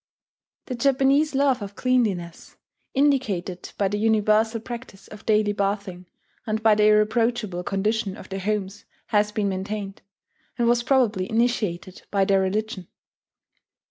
The Japanese love of cleanliness indicated by the universal practice of daily bathing, and by the irreproachable condition of their homes has been maintained, and was probably initiated, by their religion.